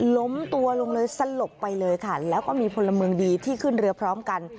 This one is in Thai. ล้มตัวลงเลยสลบไปเลยค่ะแล้วก็มีพลเมืองดีที่ขึ้นเรือพร้อมกัน